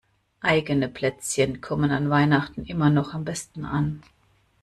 Eigene Plätzchen kommen an Weihnachten immer noch am besten an.